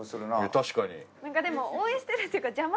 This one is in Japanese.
確かに。